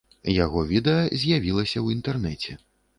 Яго відэа з'явілася ў інтэрнэце.